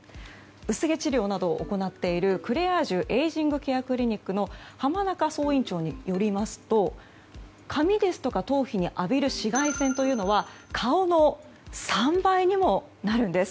薄毛治療などを行っているクレアージュエイジングケアクリニックの浜中総院長によりますと髪ですとか頭皮に浴びる紫外線というのは顔の３倍にもなるんです。